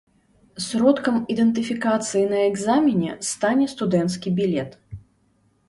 Сродкам ідэнтыфікацыі на экзамене стане студэнцкі білет.